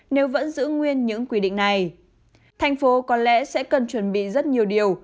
nếu vẫn giữ nguyên những quy định này thành phố có lẽ sẽ cần chuẩn bị rất nhiều điều